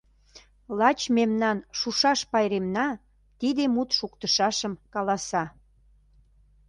Лач мемнан шушаш пайремна тиде мут шуктышашым каласа.